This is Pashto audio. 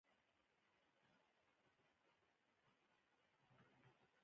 د حکمت او عرفان یوه قېمتي خزانه تر خاورو لاندې شوه.